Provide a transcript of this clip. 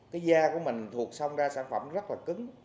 cái da của mình thuộc sông ra sản phẩm rất là cứng